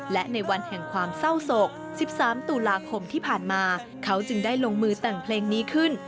และในวันแห่งความเศร้าโศก๑๓ตุลาคมที่ผ่านมาเขาจึงได้ลงมือแต่งเพลงนี้ขึ้น